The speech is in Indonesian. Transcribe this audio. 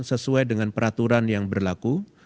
sesuai dengan peraturan yang berlaku